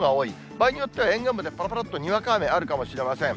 場合によっては、沿岸部でぱらぱらっとにわか雨、あるかもしれません。